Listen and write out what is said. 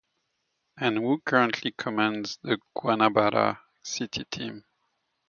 And who currently commands the Guanabara City team.